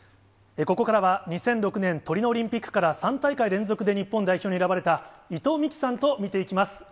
ここからは、２００６年トリノオリンピックから３大会連続で日本代表に選ばれた伊藤みきさんと見ていきます。